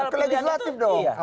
ke legislatif dong